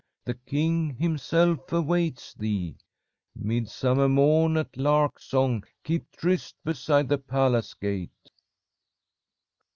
The king himself awaits thee. Midsummer morn at lark song, keep tryst beside the palace gate.'